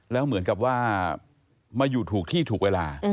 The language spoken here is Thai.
แล้วเหมือนกับว่ามาอยู่ถูกที่ถูกเวลา